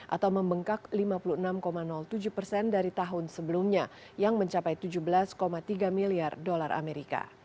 atau membengkak lima puluh enam tujuh persen dari tahun sebelumnya yang mencapai tujuh belas tiga miliar dolar amerika